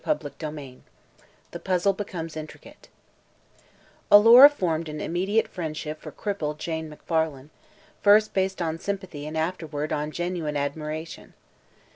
CHAPTER XV THE PUZZLE BECOMES INTRICATE Alora formed an immediate friendship for crippled Irene Macfarlane, first based on sympathy and afterward on genuine admiration.